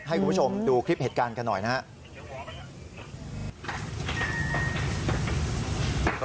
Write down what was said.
ให้คุณผู้ชมดูคลิปเหตุการณ์กันหน่อยนะครับ